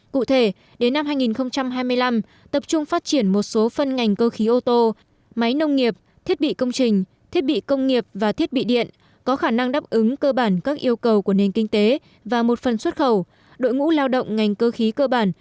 cụ thể đến năm hai nghìn hai mươi năm tập trung phát triển một số phân ngành cơ khí ô tô máy nông nghiệp thiết bị công trình thiết bị công nghiệp và thiết bị điện có khả năng đáp ứng cơ bản các yêu cầu của nền kinh tế và một phần xuất khẩu đội ngũ lao động ngành cơ khí cơ bản